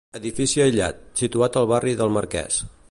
Edifici aïllat, situat al barri del Marquès.